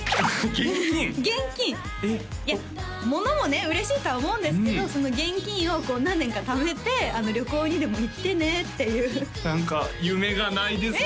現金いやものもね嬉しいとは思うんですけどその現金をこう何年かためて旅行にでも行ってねっていう何か夢がないですね